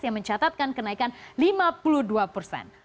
yang mencatatkan kenaikan lima puluh dua persen